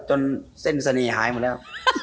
จนเส้นเสน่ห์หมดแล้ว